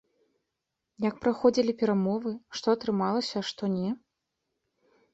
Як праходзілі перамовы, што атрымалася, а што не?